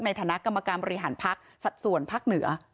ในฐานะกรรมกรรมบริหารพรรคสัตว์ส่วนพรรคเหนือ